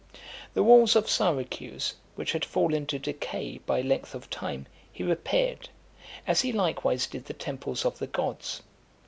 The walls of Syracuse, which had fallen to decay by length of time, he repaired, as he likewise did the temples of the gods.